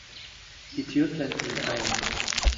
Die Tür klemmte ihn ein.